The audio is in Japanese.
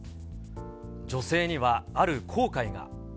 女性には、ある後悔が。